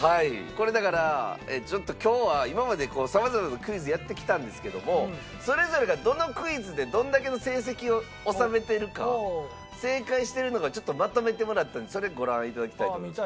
これだからちょっと今日は今までさまざまなクイズをやってきたんですけどもそれぞれがどのクイズでどれだけの成績を収めてるか正解してるのかをちょっとまとめてもらったんでそれご覧いただきたいと思います。